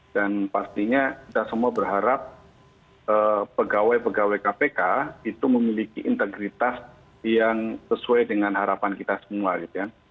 dan pastinya kita semua berharap pegawai pegawai kpk itu memiliki integritas yang sesuai dengan harapan kita semua gitu ya